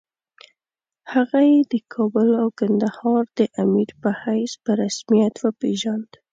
هغه یې د کابل او کندهار د امیر په حیث په رسمیت وپېژاند.